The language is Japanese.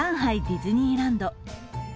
ディズニーランド。